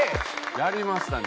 やりました。